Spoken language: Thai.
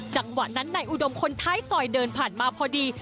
จังหวะนั้นนายอุดมคนท้ายซอยเดินผ่านมาพอดี